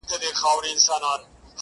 فرعون او هامان -